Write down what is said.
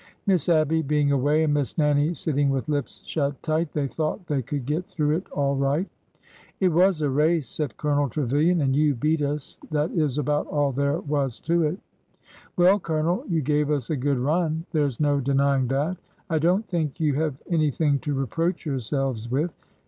Miss Abby being away and Miss Nannie sitting with lips shut tight, they thought they could get through it all right. '' It was a race,'^ said Colonel Trevilian ;" and you beat us. That is about all there was to it.'' Well, Colonel, you gave us a good run. There 's no denying that. I don't think you have anything to reproach yourselves with.